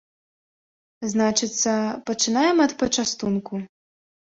Значыцца, пачынаем ад пачастунку.